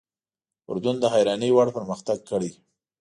اردن د حیرانۍ وړ پرمختګ کړی.